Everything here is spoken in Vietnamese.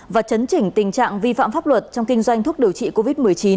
và chấn chỉnh tình trạng vi phạm pháp luật trong kinh doanh thuốc điều trị covid một mươi chín